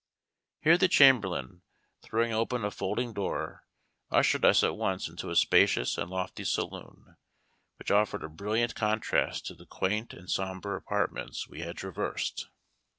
Here the chamberlain, throwing open a folding door, ushered us at once into a spacious and lofty saloon, which offered a brilliant contrast to the quaint and sombre apartments we had traversed.